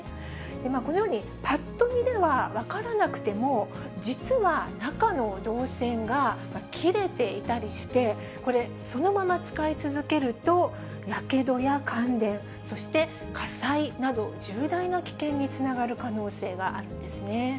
このようにぱっと見では分からなくても、実は中の導線が切れていたりして、これ、そのまま使い続けると、やけどや感電、そして火災など、重大な危険につながる可能性があるんですね。